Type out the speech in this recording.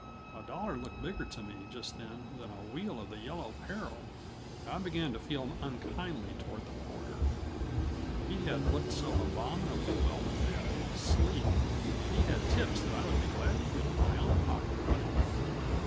A dollar looked bigger to me, just then, than a wheel of the Yellow Peril. I began to feel unkindly toward that porter! he had looked so abominably well fed and sleek, and he had tips that I would be glad to feel in my own pocket again.